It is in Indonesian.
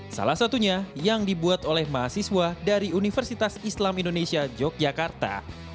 salah satunya yang dibuat oleh mahasiswa dari universitas islam indonesia yogyakarta